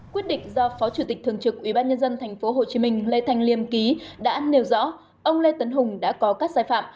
quyết định do phó chủ tịch thường trực ubnd tp hcm lê thanh liêm ký đã nêu rõ ông lê tấn hùng đã có các sai phạm